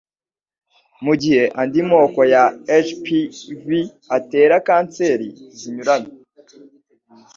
mu gihe andi moko ya HPV atera kanseri zinyuranye